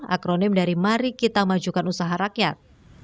akronim dari mari kita majukan usaha rakyat